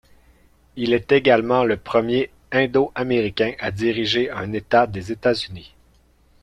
Il est également le premier Indo-Américain à diriger un État des États-Unis.